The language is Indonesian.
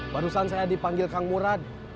barusan saya dipanggil kang murad